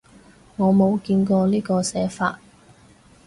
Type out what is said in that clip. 我冇見過呢個寫法